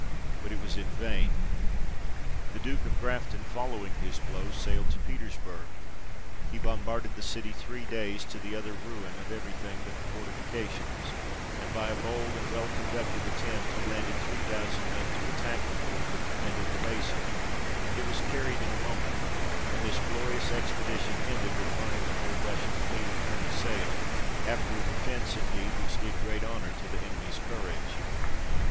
But it was in vain : the Duke of Grafton following his blow, sailed to Petersburg ; he bombarded the city three days, to the utter ruin of every thing but the fortifications : and by a bold and well conducted attempt, he landed three thousand men to attack the fort that defended the bason ; it was carried in a moment ; and this glorious expedition ended with burning the whole Russian fleet of twenty sail, after a defence, indeed which did great honour to the enemies courage.